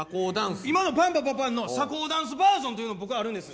今のパンパパパンの社交ダンスバージョンっていうのがあるんです。